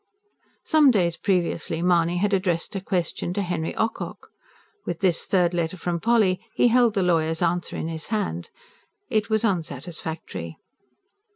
Some days previously Mahony had addressed a question to, Henry Ocock. With this third letter from Polly, he held the lawyer's answer in his hand. It was unsatisfactory.